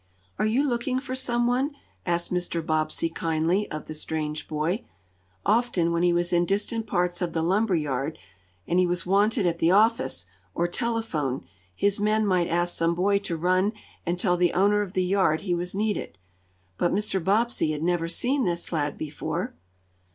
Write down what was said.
"Are you looking for some one?" asked Mr. Bobbsey kindly, of the strange boy. Often, when he was in distant parts of the lumber yard, and he was wanted at the office, or telephone, his men might ask some boy to run and tell the owner of the yard he was needed. But Mr. Bobbsey had never seen this lad before.